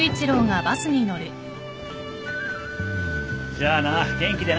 じゃあな元気でななる。